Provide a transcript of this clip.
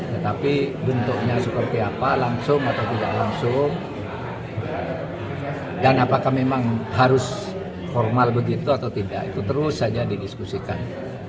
tetapi bentuknya seperti apa langsung atau tidak langsung dan apakah memang harus formal begitu atau tidak itu terus saja didiskusikan